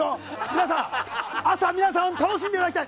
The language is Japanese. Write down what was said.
皆さん、朝楽しんでもらいたい！